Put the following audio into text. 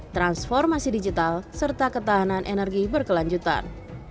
transformasi digital serta ketahanan energi berkelanjutan